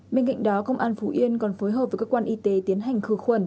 bên cạnh đó công an phú yên còn phối hợp với các quan y tế tiến hành khử khuẩn